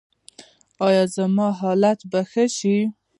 ایا زما حالت به ښه شي؟